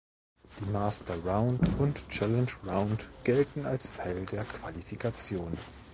Die Master Round und Challenge Round gelten als Teil der Qualifikation.